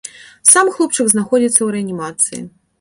Сам хлопчык знаходзіцца ў рэанімацыі.